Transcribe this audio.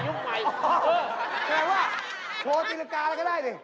แกว่าโทรติลกาอะไรก็ได้สิ